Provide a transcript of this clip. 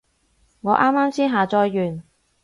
我啱啱先下載完